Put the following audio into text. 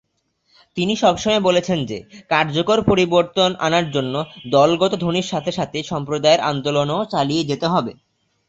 তিনি সবসময় বলেছেন যে, কার্যকর পরিবর্তন আনার জন্য, দলগত ধ্বনির সাথে সাথে সম্প্রদায়ের আন্দোলন ও চালিয়ে যেতে হবে।